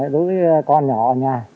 đối với con nhỏ ở nhà